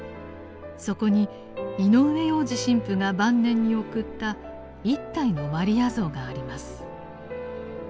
そこに井上洋治神父が晩年に贈った一体のマリア像があります。